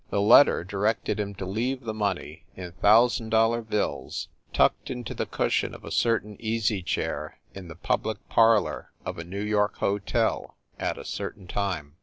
The letter directed him to leave the money, in thousand dollar bills, tucked into the cushion of a certain easy chair in the public parlor of a New York hotel, at a certain time.